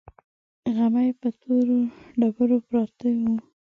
غمي پر تورو ډبرو پراته وو.